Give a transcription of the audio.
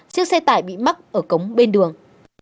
chiếc xe tải bị mắc ở cống bên đường